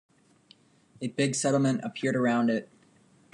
A big settlement appeared around it.